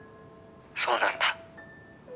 そうなんだ。